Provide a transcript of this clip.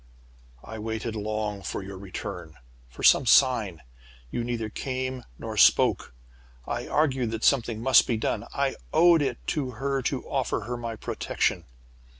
"I waited long for your return, or for some sign. "You neither came nor spoke. "I argued that something must be done. I owed it to her to offer her my protection.